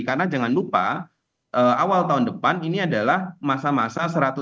karena jangan lupa awal tahun depan ini adalah masa masa seratus hari